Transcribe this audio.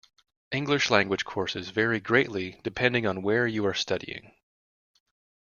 English language courses vary greatly, depending on where you are studying.